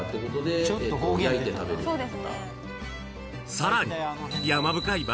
［さらに］